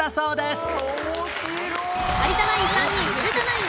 有田ナイン３人古田ナイン